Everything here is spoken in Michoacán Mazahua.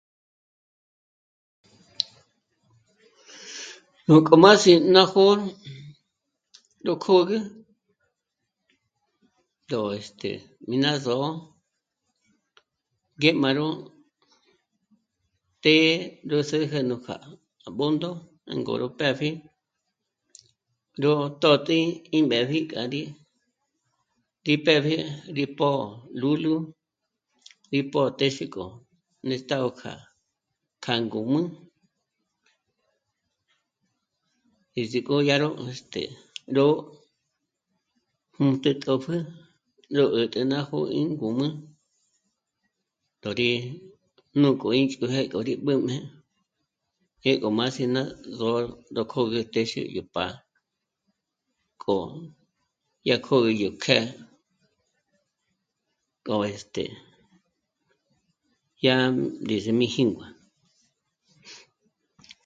Núk'o má sí'i ná pö̂'ö ró kôgü, yó, este... mí ná zò'o ngé má nú të́'ë, ró sjéje núkja à Bṓndo jângo ró pë́pji yó tö̂t'i í mbépji k'a rí, rí pë́pji, rí pò lúlu, rí pò téxe k'o néstagö kja ngǔm'ü, ndízík'o dyá rú, este... ró mǜt'e t'òpjü ró 'ä̀t'ä ná jó'o í ngǔm'ü ndó rí nuk'o íchjôkje ngék'o rí b'ǘjme ngék'o má sí ná zò'o, ró kògü téxe yó pá'a, k'o dyá k'o yó kjë́'ë k'o, este... ya ndéze mí jíngua